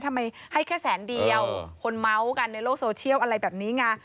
ทำไมให้แค่แสนเดียวคนเมาส์กันในโลกโซเชียลอะไรแบบนี้ไง